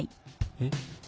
えっ？